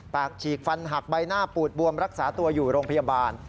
ฉีกฟันหักใบหน้าปูดบวมรักษาตัวอยู่โรงพยาบาล